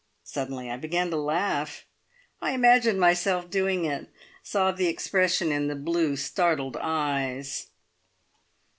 Suddenly I began to laugh. I imagined myself doing it saw the expression in the blue, startled eyes.